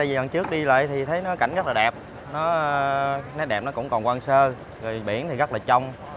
vì lần trước đi lại thì thấy nó cảnh rất là đẹp nó đẹp nó cũng còn quang sơ biển thì rất là trong